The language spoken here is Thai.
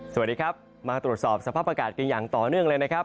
สวัสดีครับมาตรวจสอบสภาพอากาศกันอย่างต่อเนื่องเลยนะครับ